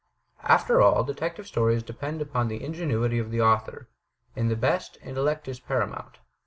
After all, Detective Stories depend upon the ingenuity of the author — in the best, intellect is paramount.